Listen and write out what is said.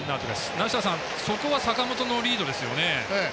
梨田さん、そこは坂本のリードですよね。